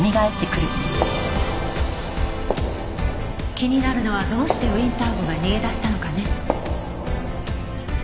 気になるのはどうしてウィンター号が逃げ出したのかね。